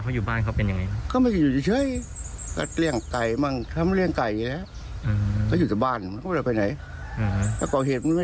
คุณผู้ชมเป็นเพื่อนรักกันมาตั้งกี่ปีแล้วคือจะมาแตกกันเพราะว่าเล่า